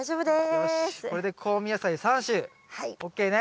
よしこれで香味野菜３種ＯＫね。